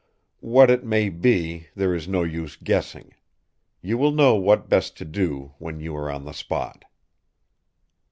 What it may be, there is no use guessing. You will know what best to do, when you are on the spot.